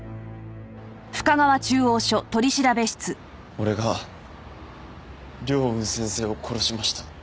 俺が凌雲先生を殺しました。